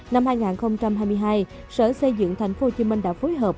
năm hai nghìn hai mươi hai sở xây dựng tp hcm đã phối hợp